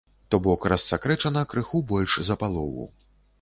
То бок, рассакрэчана крыху больш за палову.